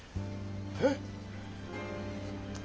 えっ！？